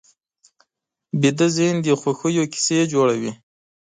ویده ذهن د خوښیو کیسې جوړوي